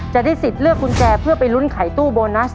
จะได้สิทธิ์เลือกกุญแจเพื่อไปลุ้นไขตู้โบนัส